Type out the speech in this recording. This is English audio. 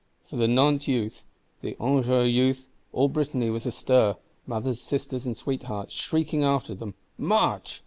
For the Nantes Youth, the Angers Youth, all Brittany was astir; "mothers, sisters and sweethearts" shrieking after them, _March!